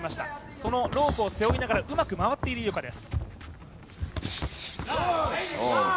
そのロープを背負いながらうまく回っている井岡です。